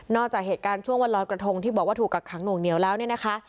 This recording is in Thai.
จากเหตุการณ์ช่วงวันลอยกระทงที่บอกว่าถูกกักขังหน่วงเหนียวแล้วเนี่ยนะคะ